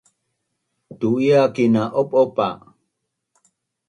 Tu’iakin na op’op qa